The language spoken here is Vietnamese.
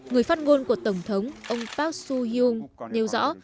người phát ngôn của tổng thống ông park soo hyun nêu rõ